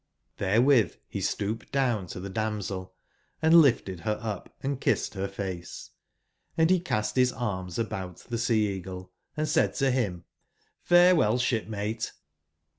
'*^Xrherewith he stooped down to the damsel, and lifted her up & kissed her face; and he cast his arms about the Sea/eagle & said to him : ''farewell, shipmate!